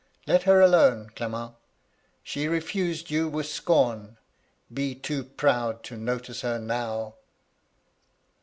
Let her alone, Clement I She refused you with scorn : be too proud to notice her now.'